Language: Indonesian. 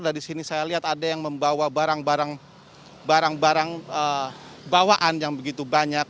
dari sini saya lihat ada yang membawa barang barang bawaan yang begitu banyak